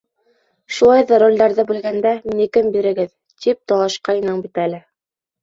Шулай ҙа ролдәрҙе бүлгәндә, минекен бирегеҙ, тип талашҡайның бит әле.